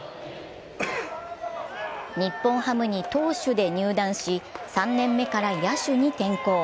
日本ハムに投手で入団し、３年目から野手に転向。